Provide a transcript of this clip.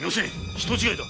人違いだ。